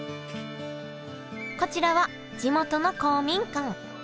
こちらは地元の公民館。